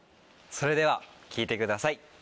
それでは聴いてください。